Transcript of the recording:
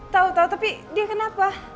tau tau tapi dia kenapa